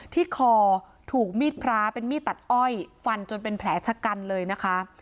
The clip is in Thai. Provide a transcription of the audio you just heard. ที่คอถูกมีดพระเป็นมีดตัดอ้อยฟันจนเป็นแผลชะกันเลยนะคะ